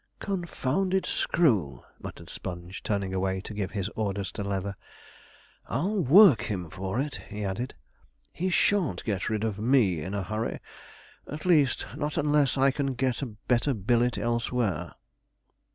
'Confounded screw!' muttered Sponge, turning away to give his orders to Leather. 'I'll work him for it,' he added. 'He sha'n't get rid of me in a hurry at least, not unless I can get a better billet elsewhere.'